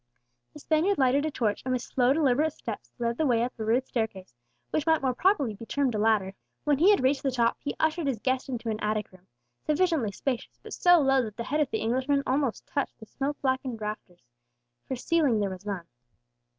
The Spaniard lighted a torch, and with slow deliberate steps led the way up a rude staircase, which might more properly be termed a ladder. When he had reached the top, he ushered his guest into an attic room, sufficiently spacious, but so low that the head of the Englishman almost touched the smoke blackened rafters, for ceiling there was none.